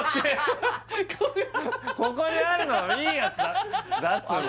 ここにあるのはいいやつだ